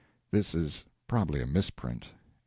[This is probably a misprint.